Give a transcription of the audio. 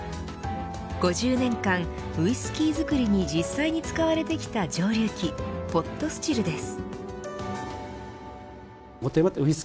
５０年間、ウイスキー造りに実際に使われてきた蒸留器ポットスチルです。